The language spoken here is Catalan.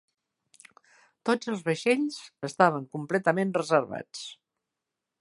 Tots els vaixells estaven completament reservats.